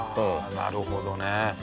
なるほどね。